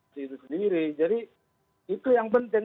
itu sendiri jadi itu yang penting